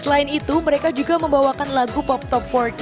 selain itu mereka juga membawakan lagu pop top empat puluh